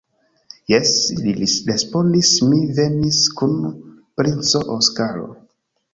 Jes, li respondis mi venis kun princo Oskaro.